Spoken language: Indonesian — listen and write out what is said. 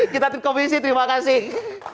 kita terkomisi terima kasih